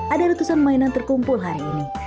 ada ratusan mainan terkumpul hari ini